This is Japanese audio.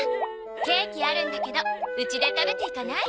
ケーキあるんだけどうちで食べていかない？